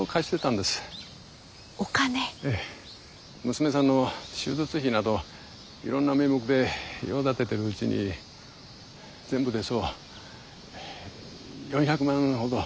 娘さんの手術費などいろんな名目で用立ててるうちに全部でそう４００万ほど。